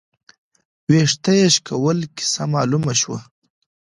، وېښته يې شکول، کيسه مالومه شوه